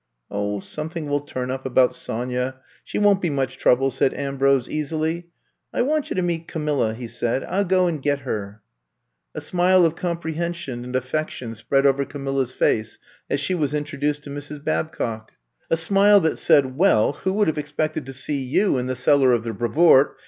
'' *'0h, something will turn up about Sonya — she won't be much trouble," said Ambrose easily. *'I want you to meet Ca milla, '' he said. I '11 go and get her. '' I'VE COME TO STAY 93 A smile of comprehension and affection spread over Camilla's face as she was intro duced to Mrs. Babcock; a smile that said, Well, who would have expected to see you in the cellar of the Brevoort?"